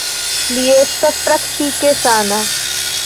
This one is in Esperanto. Li estas praktike sana.